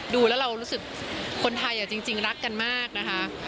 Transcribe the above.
ดูแล้วเรารู้สึกคนไทยจริงรักกันมากนะคะ